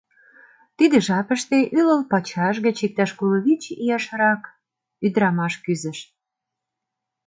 Тиде жапыште ӱлыл пачаш гыч иктаж коло вич ияшрак ӱдырамаш кӱзыш.